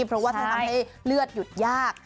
เพราะว่าเธอทำให้เลือดหยุดยาก